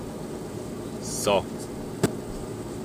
Ça.